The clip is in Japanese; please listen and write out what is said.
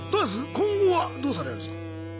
今後はどうされるんですか？